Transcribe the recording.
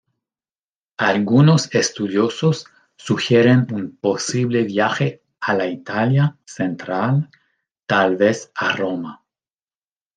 Algunos estudiosos sugieren un posible viaje a la Italia central, tal vez a Roma.